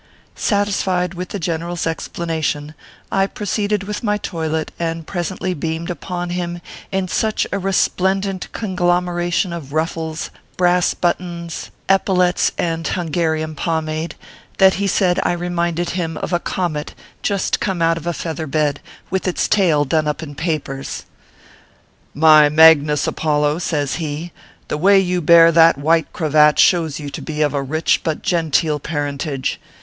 Satisfied with the general s explanation, I proceeded with my toilet, and presently beamed upon him in such a resplendent conglomeration of ruffles, brass buttons, 198 ORPHEUS C. KEER PAPERS. epaulettes and Hungarian pomade, that he said I re minded him of a comet just come out of a feather bed, with its tail done up in papers. " My Magnus Apollo/ says he, " the way you hear that white cravat shows you to be of rich but genteel parentage.